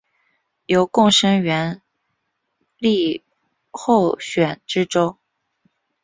由贡生援例候选知州。